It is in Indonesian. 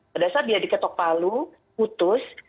pada saat dia diketok palu putus